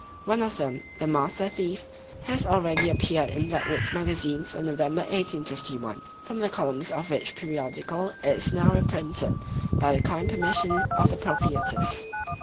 One of them, The Master Thief, has already appeared in Blackwood's Magazine for November 1851; from the columns of which periodical it is now reprinted, by the kind permission of the Proprietors.